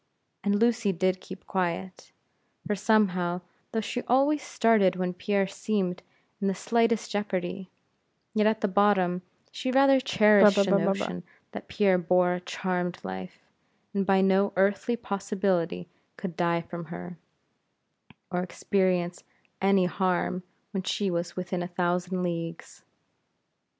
And Lucy did keep quiet; for somehow, though she always started when Pierre seemed in the slightest jeopardy, yet at bottom she rather cherished a notion that Pierre bore a charmed life, and by no earthly possibility could die from her, or experience any harm, when she was within a thousand leagues.